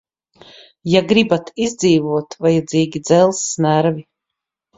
Ja gribat izdzīvot, vajadzīgi dzelzs nervi.